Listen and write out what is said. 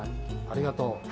ありがとう。